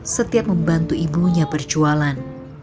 setiap membantu ibunya perjualan